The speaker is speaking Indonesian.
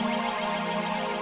jangan sampai kamu lupa